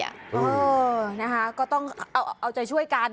เออนะคะก็ต้องเอาใจช่วยกัน